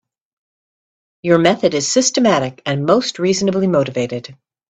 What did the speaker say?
Your method is systematic and mostly reasonably motivated.